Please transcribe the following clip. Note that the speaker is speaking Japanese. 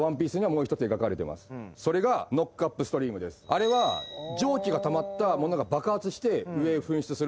あれは蒸気がたまったものが爆発して上へ噴出するっていう。